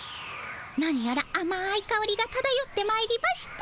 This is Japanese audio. なにやらあまいかおりがただよってまいりました。